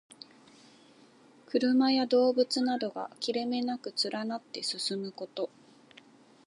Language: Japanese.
車や動物などが切れ目なく連なって進むこと。「銜」は口にくわえる意で、「銜尾」は前を行く馬の尾をあとの馬がくわえること。「相随」はつきしたがって進む意。「銜尾相随う」とも読む。